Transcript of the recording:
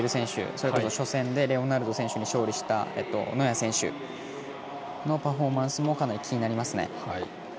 それこそ、初戦でレオナルド選手に勝利したノヤ選手のパフォーマンスもかなり気になりますね。